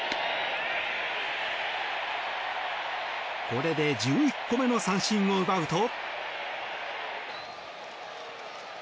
これで１１個目の奪三振を奪うと。